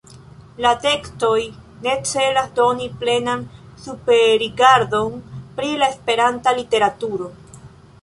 La tekstoj ne celas doni plenan superrigardon pri la Esperanta literaturo.